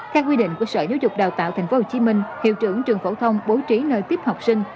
theo quy định của sở giáo dục đào tạo tp hcm hiệu trưởng trường phổ thông bố trí nơi tiếp học sinh